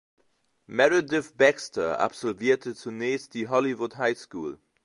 Meredith Baxter absolvierte zunächst die "Hollywood High School".